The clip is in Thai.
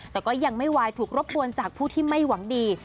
แต่ก็ยังไม่วายถูกรบกวนจากผู้ที่ไม่หวังดี